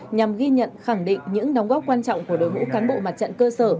nhằm ghi nhận khẳng định những đóng góp quan trọng của đối mũ cán bộ mặt trận cơ sở